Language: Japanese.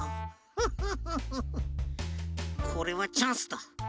フッフッフッフッフこれはチャンスだ。